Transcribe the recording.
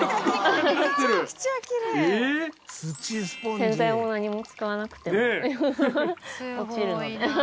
洗剤も何も使わなくても落ちるので。